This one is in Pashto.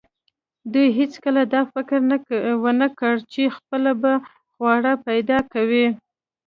دوی هیڅکله دا فکر نه و کړی چې خپله به خواړه پیدا کوي.